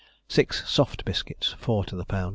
Six soft biscuits, four to the lb.